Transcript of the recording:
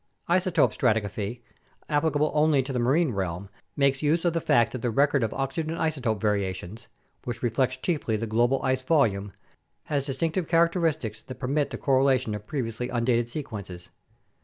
Isotope stratigraphy, applicable only to the marine realm, makes use of the fact that the record of oxygen isotope variations — APPENDIX A 143 which reflects chiefly the global ice volume — has distinctive char acteristics that permit the correlation of previously undated sequences.